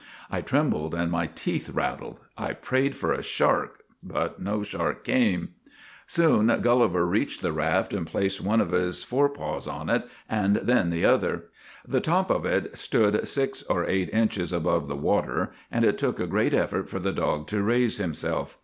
I trembled and my teeth rattled. I prayed for a shark, but no shark came. ct Soon Gulliver reached the raft and placed one of his forepaws on it and then the other. The top of it stood six or eight inches above the water, and it took a great effort for the dog to raise himself.